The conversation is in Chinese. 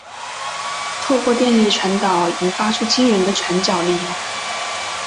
透过电力传导引发出惊人的拳脚力。